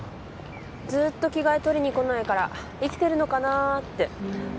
ずっと着替え取りにこないから生きてるのかなって